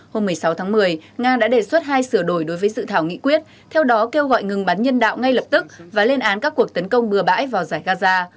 hôm một mươi sáu tháng một mươi nga đã đề xuất hai sửa đổi đối với dự thảo nghị quyết theo đó kêu gọi ngừng bắn nhân đạo ngay lập tức và lên án các cuộc tấn công bừa bãi vào giải gaza